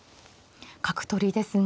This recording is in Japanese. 角取りですが。